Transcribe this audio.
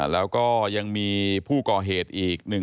แล้วก็ยังมีผู้ก่อเหตุอีก